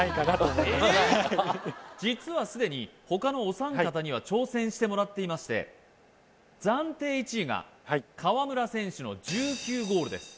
はい実はすでに他のお三方には挑戦してもらっていまして暫定１位が河村選手のはい１９ゴールです